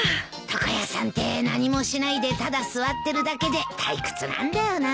床屋さんって何もしないでただ座ってるだけで退屈なんだよな。